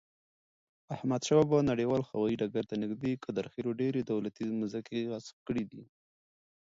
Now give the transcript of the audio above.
احمدشاه بابا نړیوال هوایی ډګر ته نږدې قادرخیلو ډیري دولتی مځکي غصب کړي دي.